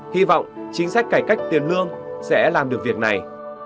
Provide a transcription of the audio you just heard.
hy vọng chính sách cải cách tiền lương sẽ làm được việc này